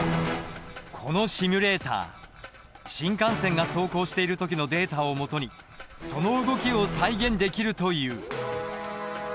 このシミュレーター新幹線が走行している時のデータを基にその動きを再現できるという。